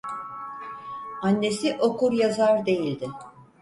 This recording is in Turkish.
Annesi okuryazar değildi.